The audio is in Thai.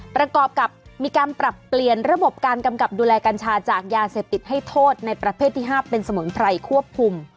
ประกอบกับมีการปรับเปลี่ยนระบบการกำกับดูแลกัญชาจากยาเสพติดให้โทษในประเภทที่๕เป็นสมุนไพรควบคุม